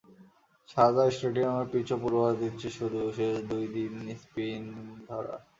Sharjah স্টেডিয়ামের পিচও পূর্বাভাস দিচ্ছে শুধু শেষ দুই দিনে স্পিন ধরার।